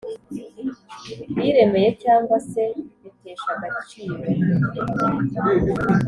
Biremereye cyangwa se bitesha agaciro